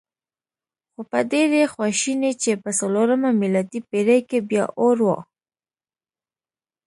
خو په ډېرې خواشینۍ چې په څلورمه میلادي پېړۍ کې بیا اور و.